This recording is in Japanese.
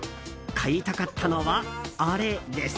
買いたかったのは、あれです。